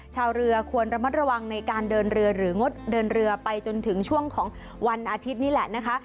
ชาวเรือควรระมัดระวังในการเดินเรือหรืองดเดินเรือไปจนถึงช่วงของวันอาทิตย์นี่แหละนะคะ